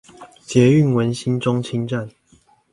捷運文心中清站